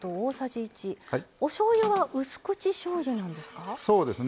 おしょうゆはうす口しょうゆなんですか？